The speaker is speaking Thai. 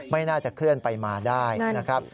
ไม่น่าจะเคลื่อนไปมาได้นะครับ